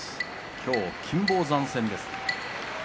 今日は金峰山戦です。